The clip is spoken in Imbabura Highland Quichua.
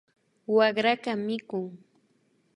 Wakraka mikun